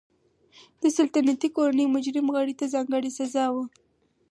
د سلطنتي کورنۍ مجرم غړي ته ځانګړې سزا وه.